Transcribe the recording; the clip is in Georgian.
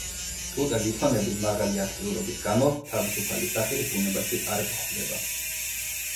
ტუტე ლითონები მაღალი აქტიურობის გამო თავისუფალი სახით ბუნებაში არ გვხვდება.